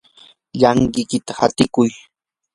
llankikiyta hatikuy.